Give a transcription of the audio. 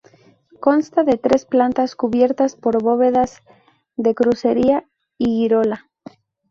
Consta de tres plantas cubiertas por bóvedas de crucería y girola.